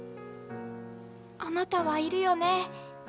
あなたはいるよね？